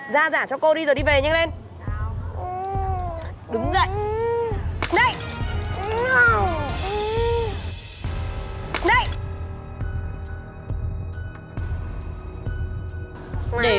đây gán cho cái cô này đấy